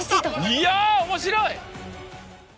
いや面白い！